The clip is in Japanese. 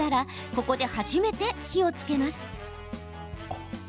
ここで初めて火をつけます。